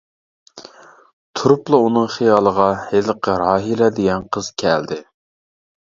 تۇرۇپلا ئۇنىڭ خىيالىغا ھېلىقى راھىلە دېگەن قىز كەلدى.